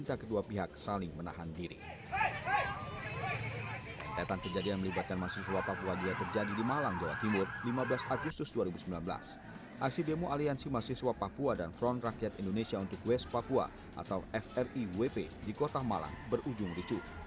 dua belas agustus dua ribu sembilan belas aksi demo aliansi mahasiswa papua dan front rakyat indonesia untuk west papua atau friwp di kota malang berujung ricu